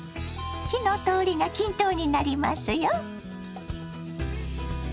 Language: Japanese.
火の通りが均等になりますよ。